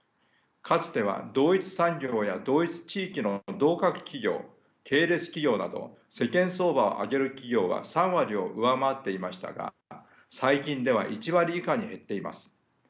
かつては同一産業や同一地域の同格企業系列企業など世間相場を挙げる企業は３割を上回っていましたが最近では１割以下に減っています。